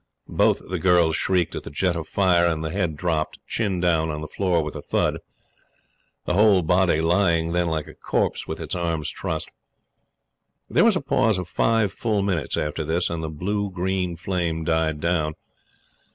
Both the girls shrieked at the jet of fire and the head dropped, chin down, on the floor with a thud; the whole body lying then like a corpse with its arms trussed. There was a pause of five full minutes after this, and the blue green flame died down.